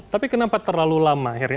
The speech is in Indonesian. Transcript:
tapi kenapa terlalu lama akhirnya